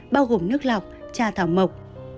bao gồm nước lọc trà thảo mộc